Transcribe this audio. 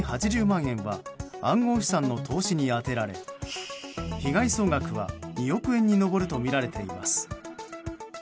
８０万円は暗号資産の投資に充てられ被害総額は２億円に上るとみられています。